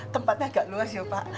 tempatnya agak luas ya pak